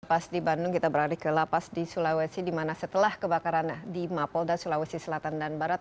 pas di bandung kita beralih ke lapas di sulawesi dimana setelah kebakaran di mapolda sulawesi selatan dan barat